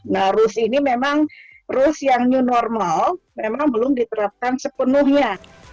nah rus ini memang rus yang new normal memang belum diterapkan sepenuhnya